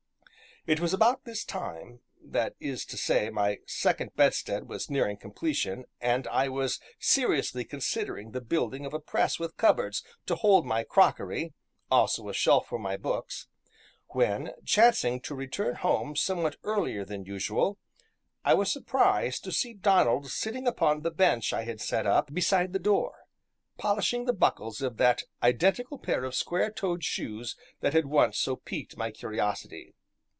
It was about this time that is to say, my second bedstead was nearing completion, and I was seriously considering the building of a press with cupboards to hold my crockery, also a shelf for my books when, chancing to return home somewhat earlier than usual, I was surprised to see Donald sitting upon the bench I had set up beside the door, polishing the buckles of that identical pair of square toed shoes that had once so piqued my curiosity.